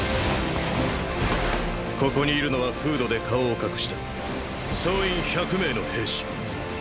ここにいるのはフードで顔を隠した総員１００名の兵士。